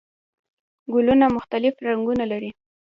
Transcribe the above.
ګلونه مختلف رنګونه لري